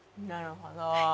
なるほど。